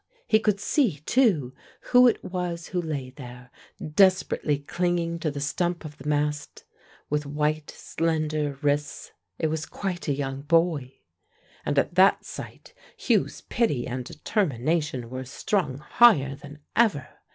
He could see, too, who it was who lay there, desperately clinging to the stump of the mast with white slender wrists; it was quite a young boy. And at that sight, Hugh's pity and determination were strung higher than ever.